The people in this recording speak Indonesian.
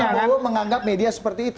pak prabowo menganggap media seperti itu